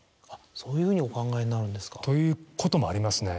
そういうふうにお考えになるんですか。ということもありますね